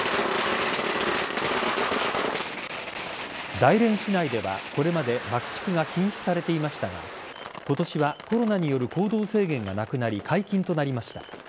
大連市内ではこれまで爆竹が禁止されていましたが今年はコロナによる行動制限がなくなり解禁となりました。